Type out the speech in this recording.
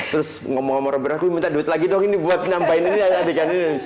terus ngomong ngomong berarti minta duit lagi dong ini buat nambahin ini adegan ini